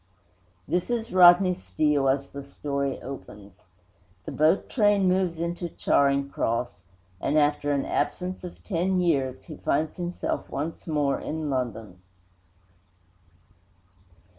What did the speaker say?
This is Rodney Steele as the story opens. The boat train moves into Charing Cross, and, after an absence of ten years, he finds himself once more in London.